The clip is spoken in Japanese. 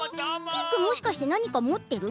けいくんもしかしてなにかもってる？